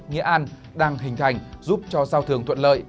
nghĩa an đang hình thành giúp cho giao thường thuận lợi